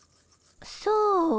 そう。